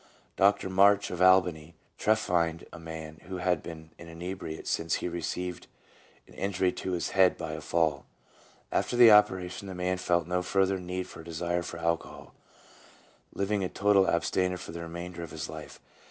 Dr. March, of Albany, trephined a man who had been an inebriate since he received an injury to his head by a fall; after the operation the man felt no further need or desire for alcohol, living a total abstainer for the remainder of his life.